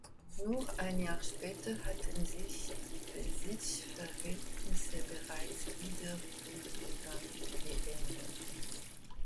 Nur ein Jahr später hatten sich die Besitzverhältnisse bereits wieder grundlegend geändert.